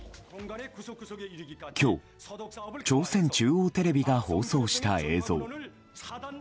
今日、朝鮮中央テレビが放送した映像。